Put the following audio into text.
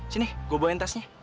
sini gue bawa tasnya